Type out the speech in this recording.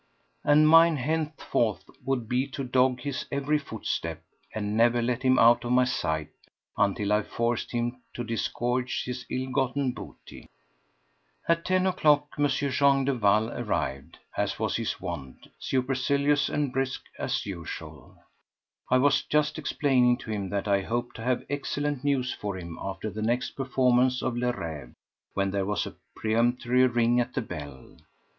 —and mine henceforth would be to dog his every footstep and never let him out of my sight until I forced him to disgorge his ill gotten booty. At ten o'clock M. Jean Duval arrived, as was his wont, supercilious and brusque as usual. I was just explaining to him that I hoped to have excellent news for him after the next performance of Le Rêve when there was a peremptory ring at the bell.